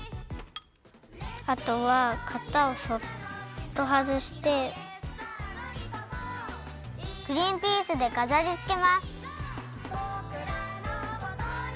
あとはかたをそっとはずしてグリンピースでかざりつけます。